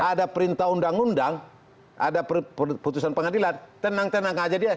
ada perintah undang undang ada putusan pengadilan tenang tenang aja dia